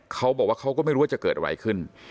เขาบอกว่าเขาก็ไม่รู้ว่าจะเกิดอะไรขึ้น